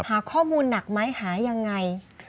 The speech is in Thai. หาข้อมูลหนักไหมหายังไง